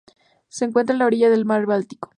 Se encuentra a la orilla del mar Báltico.